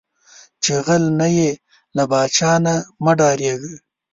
چې غل نۀ یې، لۀ پاچا نه مۀ ډارېږه